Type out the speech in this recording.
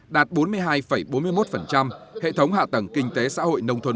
đạt bốn mươi hai bốn mươi một hệ thống hạ tầng kinh tế xã hội nông thôn